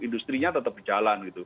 industrinya tetap berjalan